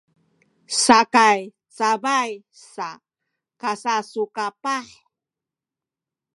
sakay cabay sa kasasukapah